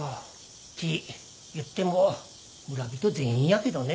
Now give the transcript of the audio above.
ち言っても村人全員やけどね。